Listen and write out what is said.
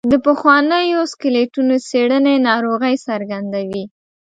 د پخوانیو سکلیټونو څېړنې ناروغۍ څرګندوي.